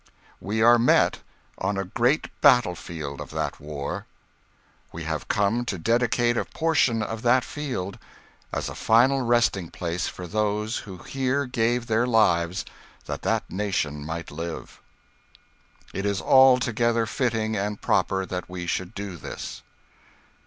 We are met on a great battlefield of that war. We have come to dedicate a portion of that field as a final resting place for those who here gave their lives that this nation might live. It is altogether fitting and proper that we should do this.